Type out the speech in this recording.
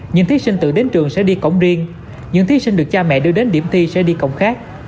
những thí sinh tự đến trường sẽ đi cổng riêng những thí sinh được cha mẹ đưa đến điểm thi sẽ đi cổng khác